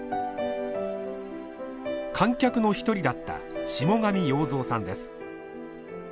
観客の一人だった下神洋造さんです。